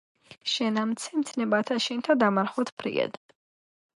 შენ ამცენ მცნებათა შენთა დამარხვად ფრიად.